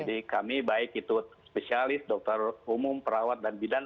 jadi kami baik itu spesialis dokter umum perawat dan bidan